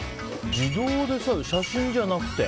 自動で写真じゃなくて？